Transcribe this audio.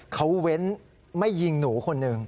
เขาเว้นไม่ยิงหนูคนหนึ่ง